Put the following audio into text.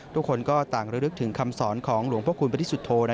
ทุกคนก็ต่างระลึกถึงคำสอนของหลวงพระคุณบริสุทธโธ